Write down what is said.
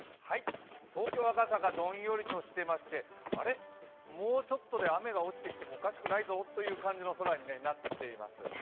東京・赤坂、どんよりとしていましてあれっ、もうちょっと雨が落ちてきてもおかしくないぞという空になっています。